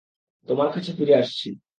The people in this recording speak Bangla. তোমার কাছে ফিরে আসছি।